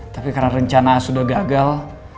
tapi karena rencana sudah gagal